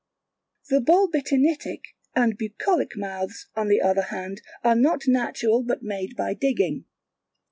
The Bolbitinitic, and Bucolic mouths, on the other hand, are not natural but made by digging.